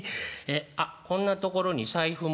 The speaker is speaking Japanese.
あっこんなところに財布も落ちてる」。